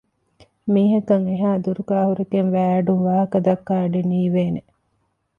މީހަކަށް އެހާ ދުރުގައި ހުރެގެން ވައިއަޑުން ވާހަކަ ދައްކާ އަޑެއް ނީވޭނެ